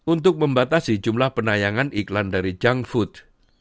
untuk membatasi jumlah penayangan iklan dari junk food